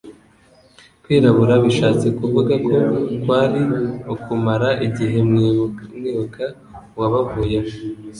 Kwirabura bishatse kuvugako Kwari ukumara igihe mwibuka uwabavuyemo